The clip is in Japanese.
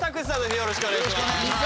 よろしくお願いします。